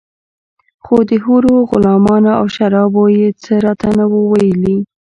خو د حورو غلمانو او شرابو يې څه راته نه وو ويلي.